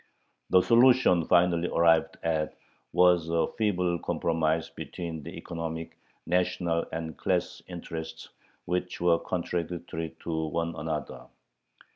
The solution finally arrived at was a feeble compromise between the economic, national, and class interests which were contradictory to one another.